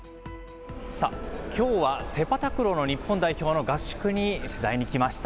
きょうはセパタクローの日本代表の合宿に取材に来ました。